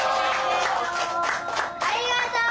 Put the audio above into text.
ありがとう！